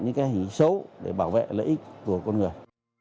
những hình xấu để bảo vệ lợi ích của con người